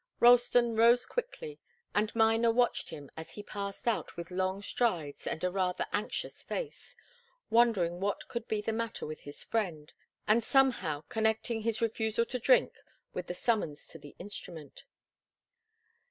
Ralston rose quickly, and Miner watched him as he passed out with long strides and a rather anxious face, wondering what could be the matter with his friend, and somehow connecting his refusal to drink with the summons to the instrument.